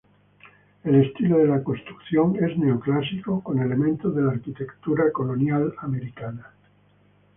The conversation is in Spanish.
El estilo de la construcción es neoclásico, con elementos de la arquitectura colonial americana.